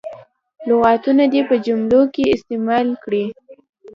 لغتونه دې په جملو کې استعمال کړي.